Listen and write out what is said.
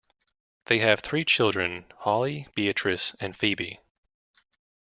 They have three children, Holly, Beatrice and Phoebe.